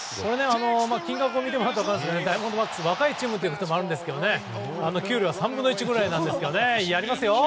金額を見てもらうと分かるんですがダイヤモンドバックスは若いチームということもありますが給料３分の１くらいなんですがやりますよ！